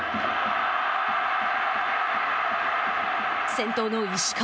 先頭の石川